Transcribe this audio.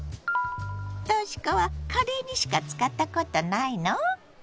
とし子はカレーにしか使ったことないの？